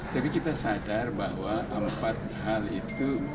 tapi kita sadar bahwa empat hal itu